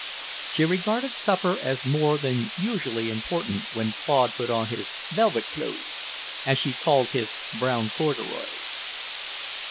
She regarded supper as more than usually important when Claude put on his "velvet close," as she called his brown corduroys.